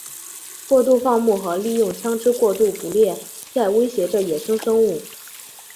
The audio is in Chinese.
过度放牧和利用枪枝过度捕猎在威胁着野生生物。